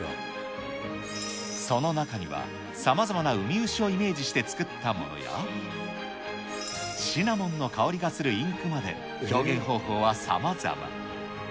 その中には、さまざまなウミウシをイメージして作ったものや、シナモンの香りがするインクまで、表現方法はさまざま。